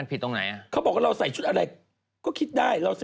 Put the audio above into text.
นี่เธอนั้นทำไมละ